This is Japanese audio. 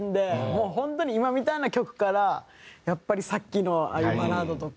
もう本当に今みたいな曲からやっぱりさっきのああいうバラードとか。